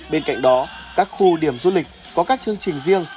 bên cạnh đó các khu điểm du lịch có các chương trình riêng